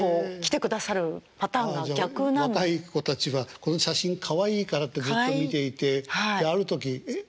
若い子たちはこの写真かわいいからってずっと見ていてある時えっ。